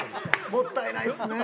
もったいないっすね